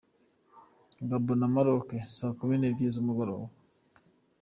Gabon vs Morocco: saa kumi n’ebyiri z’umugoroba.